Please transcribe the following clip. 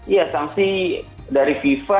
ya sanksi dari fifa